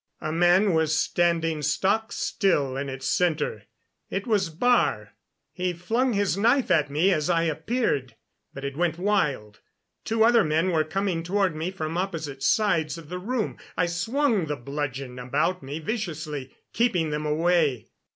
A man was standing stock still in its center. It was Baar. He flung his knife at me as I appeared, but it went wild. Two other men were coming toward me from opposite sides of the room. I swung the bludgeon about me viciously, keeping them away.